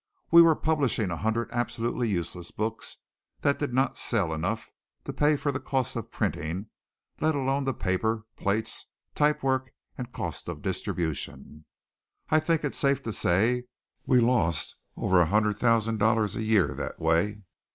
We were publishing a hundred absolutely useless books that did not sell enough to pay for the cost of printing, let alone the paper, plates, typework and cost of distribution. I think it's safe to say we lost over a hundred thousand dollars a year that way.